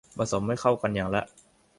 ผสมให้เข้ากันอย่างละ